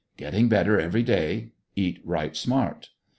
Getting better every day, eat right smart.